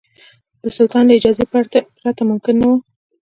د سلطان له اجازې پرته ممکن نه وو.